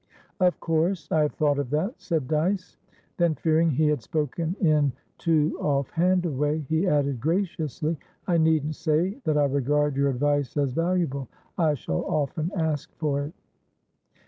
"Of course I have thought of that," said Dyce. Then, fearing he had spoken in too off hand a way, he added graciously, "I needn't say that I regard your advice as valuable. I shall often ask for it."